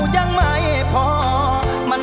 ช่วยฝังดินหรือกว่า